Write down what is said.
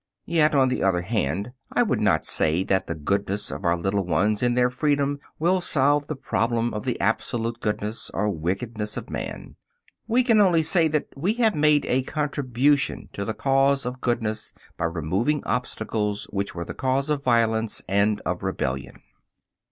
Yet, on the other hand, I would not say that the goodness of our little ones in their freedom will solve the problem of the absolute goodness or wickedness of man. We can only say that we have made a contribution to the cause of goodness by removing obstacles which were the cause of violence and of rebellion.